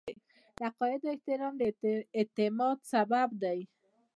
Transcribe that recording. د عقایدو احترام د اعتماد سبب دی.